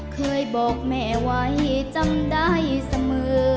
เคยบอกแม่ไว้จำได้เสมอ